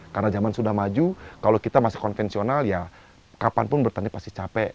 karena zaman sudah maju kalau kita masih konvensional ya kapanpun bertanian pasti capek